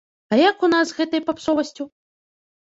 А як у нас з гэтай папсовасцю?